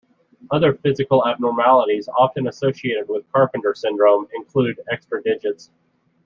Other physical abnormalities often associated with Carpenter Syndrome include extra digits.